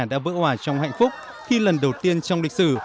đã vỡ hòa trong hạnh phúc khi lần đầu tiên trong địch sử